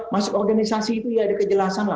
masuk organisasi itu ya ada kejelasan lah